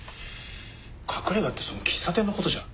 隠れ家ってその喫茶店の事じゃ？